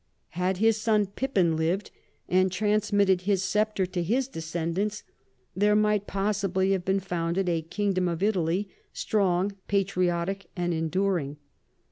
Had his son Pippin lived and transmitted his sceptre to his descendants, there might possibly have been founded a kingdom of Italy, strong, patriotic, and enduring.